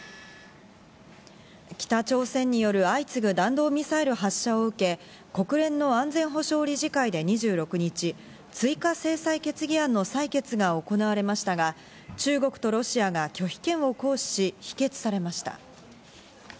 北朝鮮による相次ぐ弾道ミサイル発射を受け、国連の安全保障理事会で２６日、追加制裁決議案の採決が行われましたが、中国とロシアが拒否権を行使し、否決されました。